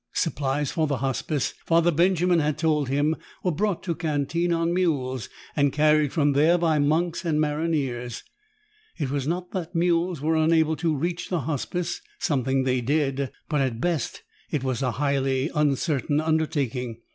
Supplies for the Hospice, Father Benjamin had told him, were brought to Cantine on mules and carried from there by monks and maronniers. It was not that mules were unable to reach the Hospice sometimes they did but, at best, it was a highly uncertain undertaking.